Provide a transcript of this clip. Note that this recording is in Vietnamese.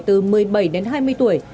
từ một mươi bảy đến hai mươi tuổi